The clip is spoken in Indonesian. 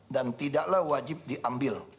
dan tidaklah wajib diambil